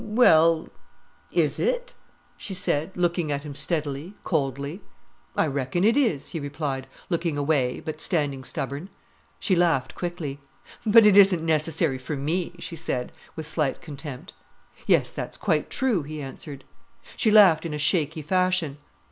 "W—ell—is it?" she said, looking at him steadily, coldly. "I reckon it is," he replied, looking away, but standing stubborn. She laughed quickly. "But it isn't necessary for me," she said, with slight contempt. "Yes, that's quite true," he answered. She laughed in a shaky fashion.